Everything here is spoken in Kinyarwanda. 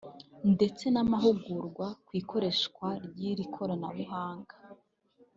ndetse n’amahugurwa ku ikoreshwa ry’iri koranabuhanga